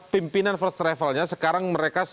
pimpinan first travel nya sekarang mereka